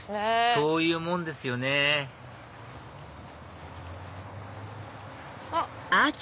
そういうもんですよねあっ